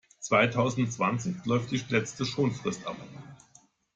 Zweitausendzwanzig läuft die letzte Schonfrist ab.